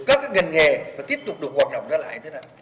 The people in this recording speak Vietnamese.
rồi các cái ngành nghề phải tiếp tục được hoạt động ra lại thế này